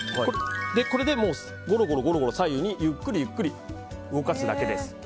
これで、ゴロゴロ左右にゆっくり動かすだけです。